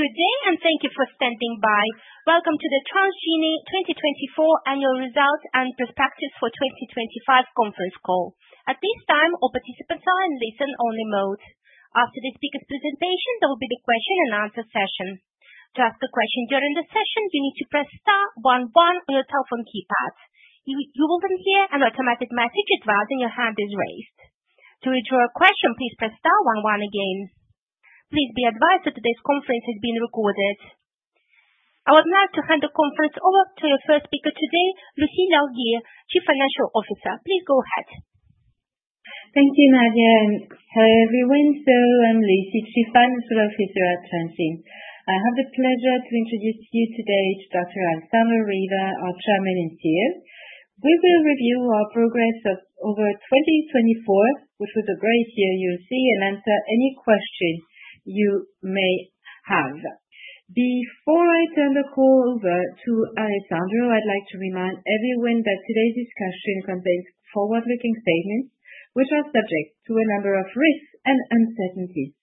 Good day, and thank you for standing by. Welcome to the Transgene 2024 Annual Results and Perspectives for 2025 Conference Call. At this time, all participants are in listen-only mode. After the speaker's presentation, there will be the question and answer session. To ask a question during the session, you need to press star one one on your telephone keypad. You will then hear an automated message advising your hand is raised. To withdraw a question, please press star one one again. Please be advised that today's conference is being recorded. I would now like to hand the conference over to your first speaker today, Lucie Larguier, Chief Financial Officer. Please go ahead. Thank you, Nadia. Hello, everyone. I'm Lucie, Chief Financial Officer at Transgene. I have the pleasure to introduce you today to Dr. Alessandro Riva, our Chairman and CEO. We will review our progress over 2024, which was a great year, you'll see, and answer any questions you may have. Before I turn the call over to Alessandro, I'd like to remind everyone that today's discussion contains forward-looking statements, which are subject to a number of risks and uncertainties.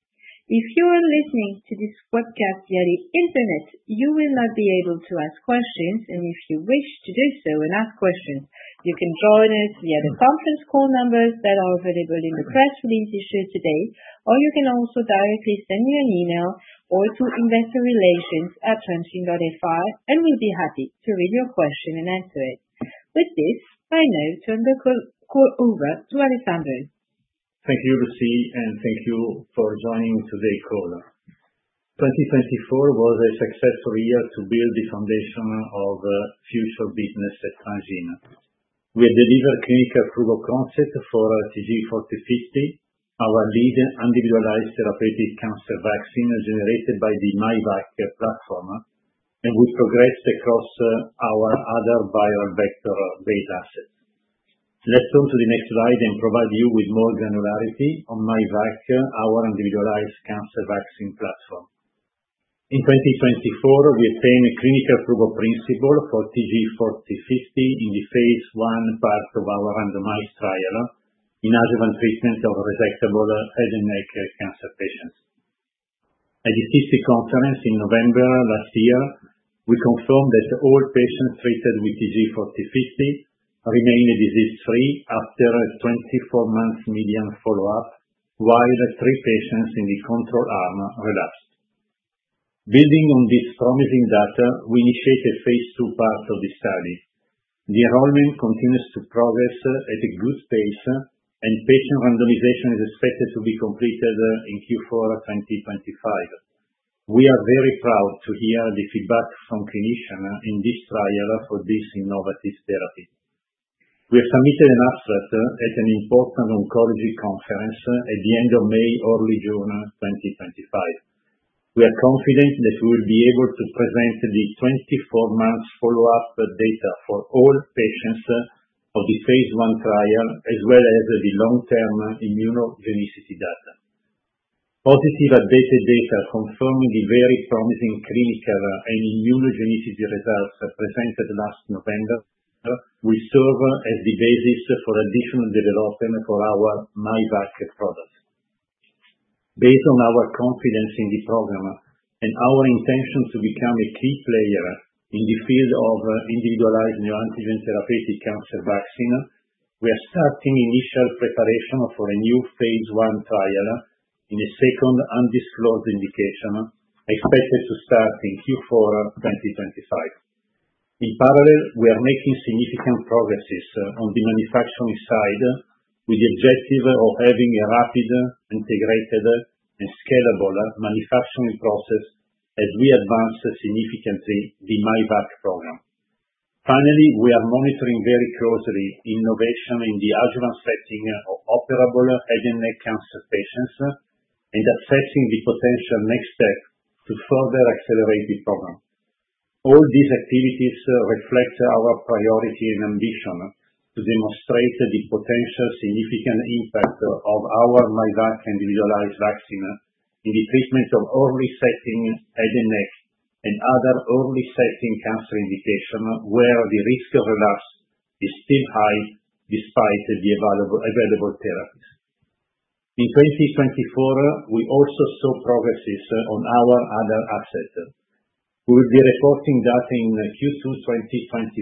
If you are listening to this webcast via the internet, you will not be able to ask questions. If you wish to do so and ask questions, you can join us via the conference call numbers that are available in the press release issued today, or you can also directly send me an email or to investorrelations@transgene.fr, and we'll be happy to read your question and answer it. With this, I now turn the call over to Alessandro. Thank you, Lucie, and thank you for joining today's call. 2024 was a successful year to build the foundation of future business at Transgene. We deliver clinical proof of concept for TG4050, our lead individualized therapeutic cancer vaccine generated by the myvac platform, and we progressed across our other viral vector-based assets. Let's turn to the next slide and provide you with more granularity on myvac, our individualized cancer vaccine platform. In 2024, we obtained a clinical proof of principle for TG4050 in the phase I part of our randomized trial in adjuvant treatment of resectable head and neck cancer patients. At the ASCO conference in November last year, we confirmed that all patients treated with TG4050 remained disease-free after a 24-month median follow-up, while three patients in the control arm relapsed. Building on this promising data, we initiated phase II part of the study. The enrollment continues to progress at a good pace, and patient randomization is expected to be completed in Q4 2025. We are very proud to hear the feedback from clinicians in this trial for this innovative therapy. We have submitted an abstract at an important oncology conference at the end of May, early June 2025. We are confident that we will be able to present the 24-month follow-up data for all patients of the phase I trial, as well as the long-term immunogenicity data. Positive updated data confirming the very promising clinical and immunogenicity results presented last November will serve as the basis for additional development for our myvac product. Based on our confidence in the program and our intention to become a key player in the field of individualized neoantigen therapeutic cancer vaccine, we are starting initial preparation for a new phase I trial in a second undisclosed indication expected to start in Q4 2025. In parallel, we are making significant progress on the manufacturing side with the objective of having a rapid, integrated, and scalable manufacturing process as we advance significantly the myvac program. Finally, we are monitoring very closely innovation in the adjuvant setting of operable head and neck cancer patients and assessing the potential next step to further accelerate the program. All these activities reflect our priority and ambition to demonstrate the potential significant impact of our myvac individualized vaccine in the treatment of early-setting head and neck and other early-setting cancer indications where the risk of relapse is still high despite the available therapies. In 2024, we also saw progresses on our other asset. We will be reporting that in Q2 2025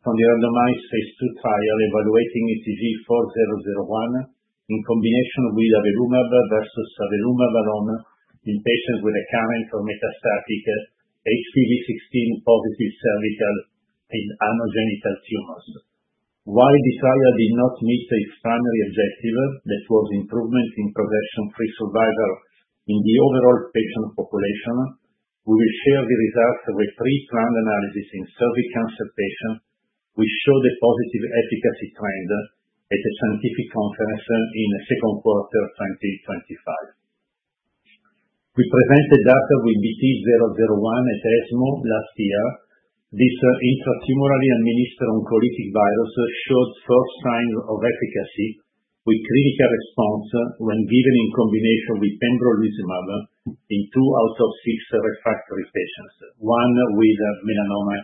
from the randomized phase II trial evaluating TG4001 in combination with avelumab versus avelumab alone in patients with recurrent or metastatic HPV-16 positive cervical and anogenital tumors. While the trial did not meet its primary objective, that was improvement in progression-free survival in the overall patient population, we will share the results of a pre-planned analysis in cervical cancer patients, which showed a positive efficacy trend at the scientific conference in the second quarter of 2025. We presented data with BT-001 at ESMO last year. This intratumorally administered oncolytic virus showed first signs of efficacy with clinical response when given in combination with pembrolizumab in two out of six refractory patients, one with melanoma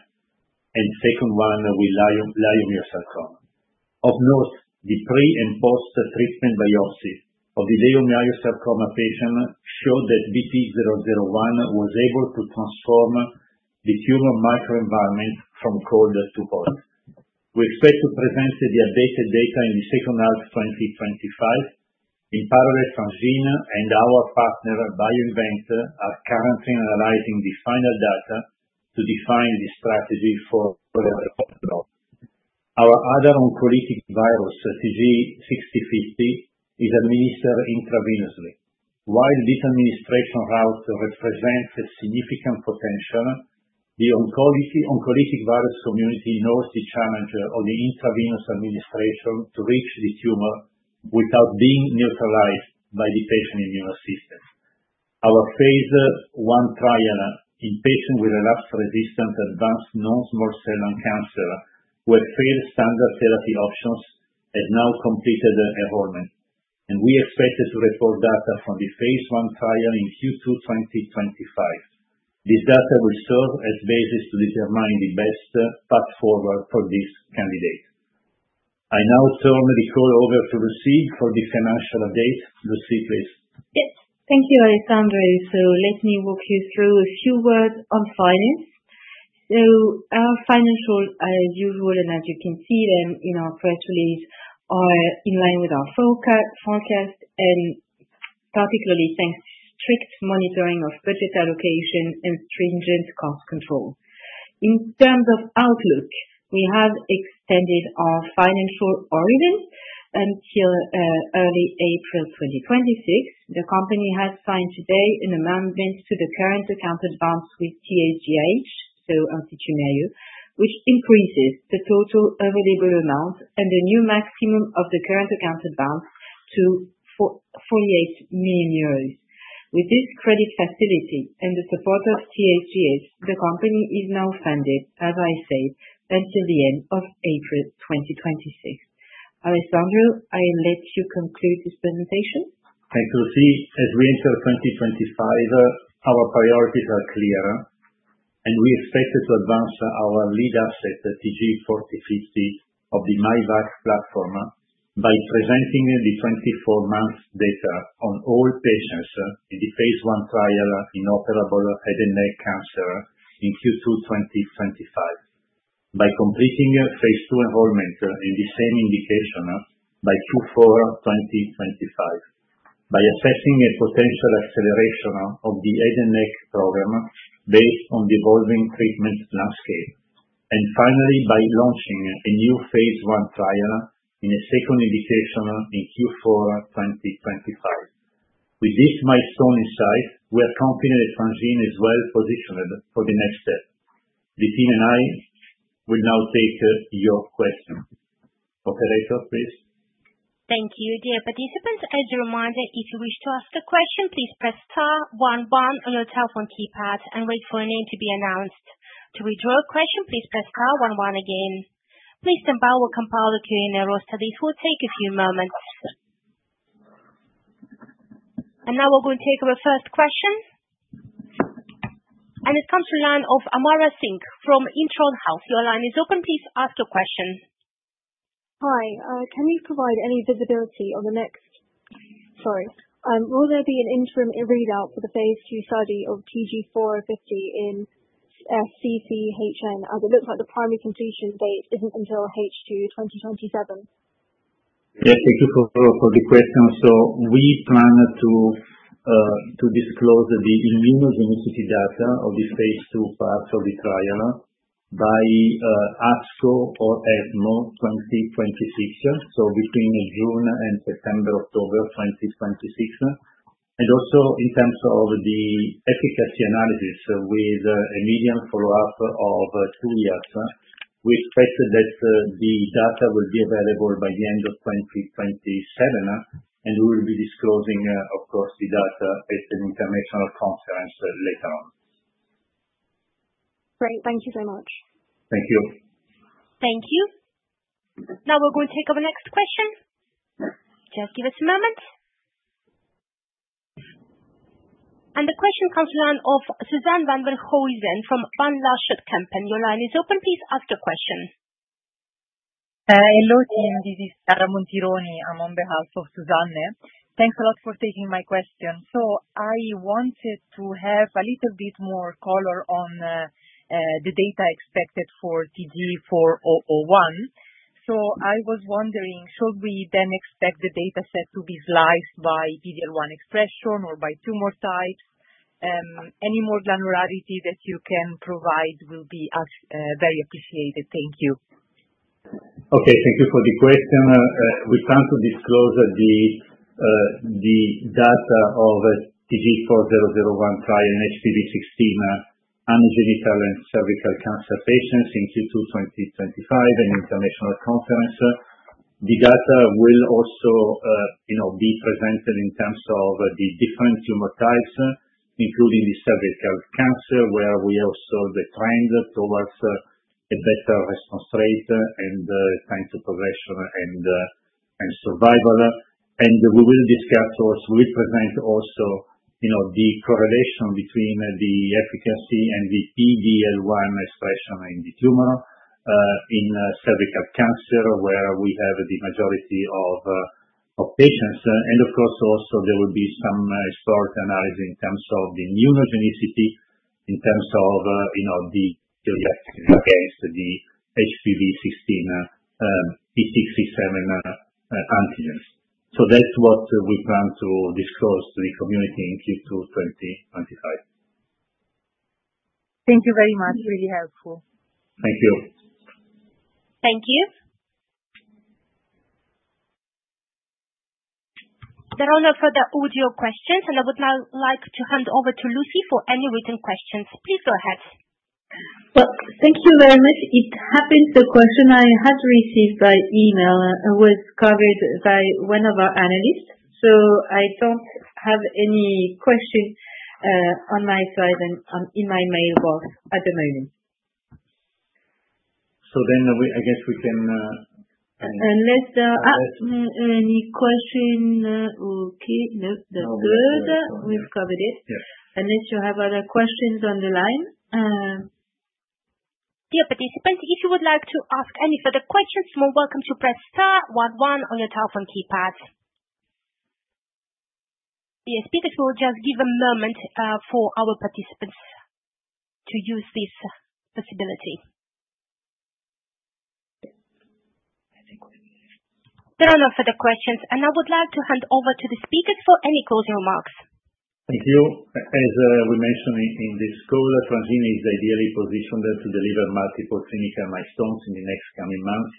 and second one with leiomyosarcoma. Of note, the pre- and post-treatment biopsy of the leiomyosarcoma patient showed that BT-001 was able to transform the tumor microenvironment from cold to hot. We expect to present the updated data in the second half of 2025. In parallel, Transgene and our partner BioInvent are currently analyzing the final data to define the strategy for the follow-up. Our other oncolytic virus, TG6050, is administered intravenously. While this administration route represents a significant potential, the oncolytic virus community knows the challenge of the intravenous administration to reach the tumor without being neutralized by the patient immune system. Our phase I trial in patients with relapse-resistant advanced non-small cell lung cancer who have failed standard therapy options has now completed enrollment. We expect to report data from the phase I trial in Q2 2025. This data will serve as a basis to determine the best path forward for this candidate. I now turn the call over to Lucie for the financial update. Lucie, please. Yes. Thank you, Alessandro. Let me walk you through a few words on finance. Our financials, as usual, and as you can see in our press release, are in line with our forecast, particularly thanks to strict monitoring of budget allocation and stringent cost control. In terms of outlook, we have extended our financial horizon until early April 2026. The company has signed today an amendment to the current account advance with TSGH, which increases the total available amount and the new maximum of the current account advance to 48 million euros. With this credit facility and the support of TSGH, the company is now funded, as I said, until the end of April 2026. Alessandro, I'll let you conclude this presentation. Thanks, Lucie. As we enter 2025, our priorities are clear, and we expect to advance our lead asset, TG4050, of the myvac platform by presenting the 24-month data on all patients in the phase I trial in operable head and neck cancer in Q2 2025, by completing phase II enrollment in the same indication by Q4 2025, by assessing a potential acceleration of the head and neck program based on the evolving treatment landscape, and finally, by launching a new phase I trial in a second indication in Q4 2025. With this milestone in sight, we are confident that Transgene is well positioned for the next step. Lucie and I, we'll now take your question. Operator, please. Thank you. Dear participants, as a reminder, if you wish to ask a question, please press star one one on your telephone keypad and wait for a name to be announced. To withdraw a question, please press star one one again. Please stand by. We'll compile the Q&A roster. This will take a few moments. Now we're going to take our first question. It comes from the line of Amara Singh from Intron Health. Your line is open. Please ask your question. Hi. Can you provide any visibility on the next? Sorry. Will there be an interim readout for the phase II study of TG4050 in SCCHN, as it looks like the primary completion date isn't until H2 2027? Yes. Thank you for the question. We plan to disclose the immunogenicity data of the phase II part of the trial by ASCO or ESMO 2026, so between June and September, October 2026. Also, in terms of the efficacy analysis with a median follow-up of two years, we expect that the data will be available by the end of 2027, and we will be disclosing, of course, the data at an international conference later on. Great. Thank you so much. Thank you. Thank you. Now we're going to take our next question. Just give us a moment. The question comes from the line of Suzanne van Voorthuizen from Van Lanschot Kempen. Your line is open. Please ask your question. Hello, team. This is Chiara Montironi on behalf of Susanne. Thanks a lot for taking my question. I wanted to have a little bit more color on the data expected for TG4001. I was wondering, should we then expect the dataset to be sliced by PD-L1 expression or by tumor types? Any more granularity that you can provide will be very appreciated. Thank you. Okay. Thank you for the question. We plan to disclose the data of TG4001 trial in HPV-16 anogenital and cervical cancer patients in Q2 2025 at an international conference. The data will also be presented in terms of the different tumor types, including the cervical cancer, where we also showed the trend towards a better response rate and time to progression and survival. We will discuss or we will present also the correlation between the efficacy and the PD-L1 expression in the tumor in cervical cancer, where we have the majority of patients. Of course, also there will be some historical analysis in terms of the immunogenicity in terms of the clearance against the HPV-16 E6/E7 antigens. That is what we plan to disclose to the community in Q2 2025. Thank you very much. Really helpful. Thank you. Thank you. There are no further audio questions, and I would now like to hand over to Lucie for any written questions. Please go ahead. Thank you very much. It happens the question I had received by email was covered by one of our analysts, so I do not have any question on my side and in my mailbox at the moment. I guess we can. Unless there are any questions. Okay. No, that's good. We've covered it. Unless you have other questions on the line. Dear participants, if you would like to ask any further questions, you're more welcome to press star one one on your telephone keypad. Dear speakers, we'll just give a moment for our participants to use this possibility. There are no further questions, and I would like to hand over to the speakers for any closing remarks. Thank you. As we mentioned in this call, Transgene is ideally positioned to deliver multiple clinical milestones in the next coming months,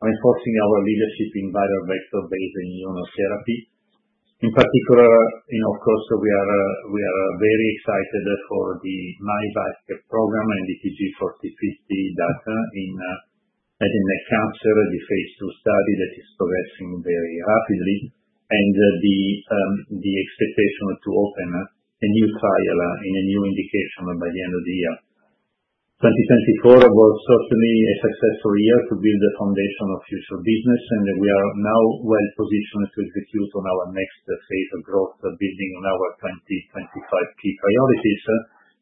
reinforcing our leadership in viral vector-based immunotherapy. In particular, of course, we are very excited for the myvac program and the TG4050 data in head and neck cancer, the phase two study that is progressing very rapidly, and the expectation to open a new trial in a new indication by the end of the year. 2024 was certainly a successful year to build the foundation of future business, and we are now well positioned to execute on our next phase of growth, building on our 2025 key priorities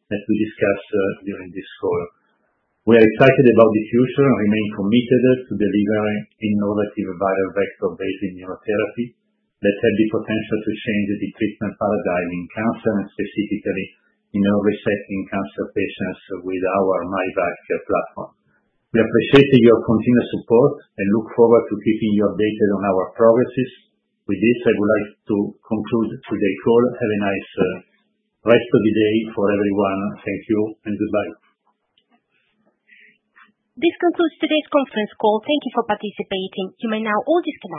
that we discussed during this call. We are excited about the future and remain committed to delivering innovative viral vector-based immunotherapy that has the potential to change the treatment paradigm in cancer and specifically in early-setting cancer patients with our myvac platform. We appreciate your continued support and look forward to keeping you updated on our progress. With this, I would like to conclude today's call. Have a nice rest of the day for everyone. Thank you and goodbye. This concludes today's conference call. Thank you for participating. You may now all disconnect.